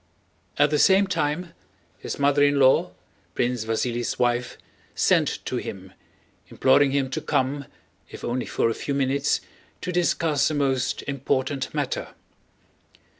At the same time his mother in law, Prince Vasíli's wife, sent to him imploring him to come if only for a few minutes to discuss a most important matter.